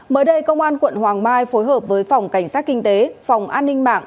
mới đây công an quận hoàng mai phối hợp với phòng cảnh sát kinh tế phòng an ninh mạng